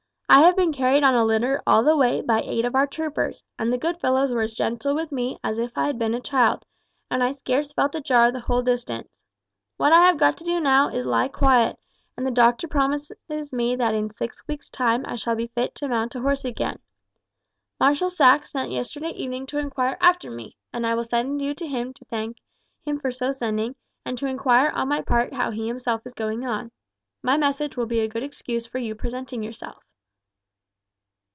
I have been carried on a litter all the way by eight of our troopers, and the good fellows were as gentle with me as if I had been a child, and I scarce felt a jar the whole distance. What I have got to do now is to lie quiet, and the doctor promises me that in six weeks' time I shall be fit to mount a horse again. Marshal Saxe sent yesterday evening to inquire after me, and I will send you to him to thank him for so sending, and to inquire on my part how he himself is going on. My message will be a good excuse for your presenting yourself."